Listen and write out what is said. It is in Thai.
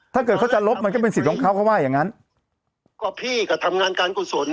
ถ้าเกิดเขาจะลบมันก็เป็นสิทธิ์ของเขาเขาว่าอย่างงั้นก็พี่ก็ทำงานการกุศล